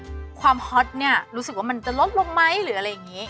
ดูสิความฮอตรู้สึกว่ามันจะรกลงไหมหรืออะไรอย่างนี้